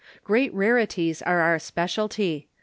Great Rarities are our Speciality.